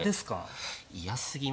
嫌すぎますけど。